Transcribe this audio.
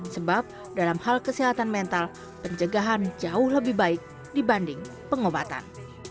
sebab dalam hal kesehatan mental pencegahan jauh lebih baik dibanding pengobatan